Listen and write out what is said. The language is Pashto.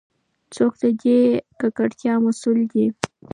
څوک د دې ککړتیا مسؤل دی؟